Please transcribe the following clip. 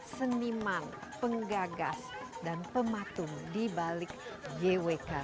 seniman penggagas dan pematung di balik gwk garuda wisnu kencana ini